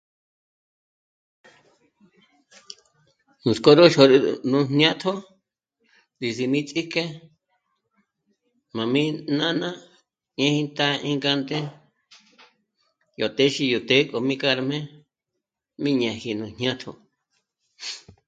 Nuts'k'ó ró xǒru nú jñátjo ndízi mí ts'íjke m'a mí nána 'ë̄́jë̄ t'á'a íngánde yó téxi yó të́'ë k'o mí k'ârme mí ñáji nú jñátjo